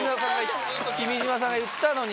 君島さんが言ったのに。